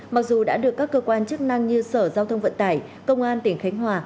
mặc dù đã được các cơ quan chức năng như sở giao thông vận tải công an tỉnh khánh hòa